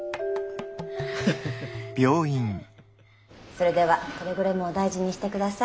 それではくれぐれもお大事にしてください。